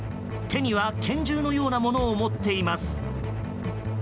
手には拳銃のようなものを持っています。